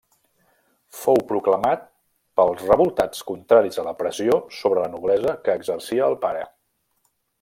Fou proclamat pels revoltats contraris a la pressió sobre la noblesa que exercia el pare.